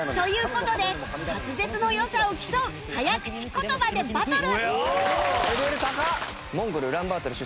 事で滑舌の良さを競う早口言葉でバトル！